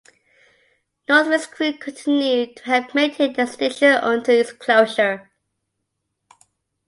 "Northwind"s crew continued to help maintain the station until its closure.